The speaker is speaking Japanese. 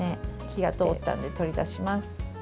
火が通ったので取り出します。